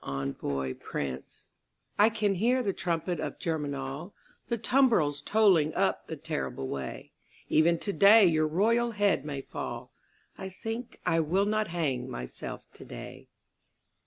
Envoi Prince, I can hear the trumpet of Germinal, The tumbrils toiling up the terrible way; Even today your royal head may fall I think I will not hang myself today.